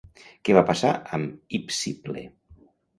Què va passar amb Hipsíple?